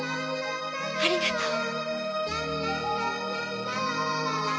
ありがとう。